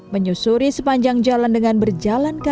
menyusuri sepanjang jalan dengan berjalan kaki